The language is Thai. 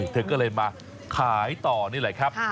เธอก็เลยมาขายต่อนี่แหละครับ